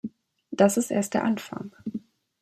Das ist erst der Anfang.